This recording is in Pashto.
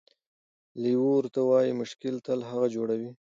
لیوه ورته وايي: مشکل تل هغه جوړوي،